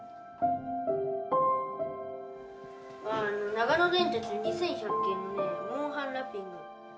長野電鉄２１００系のねモンハンラッピング。